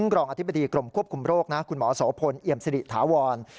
รองอธิบดีกรมควบคุมโรคนะคุณหมอโสพลเอี่ยมสิริถาวร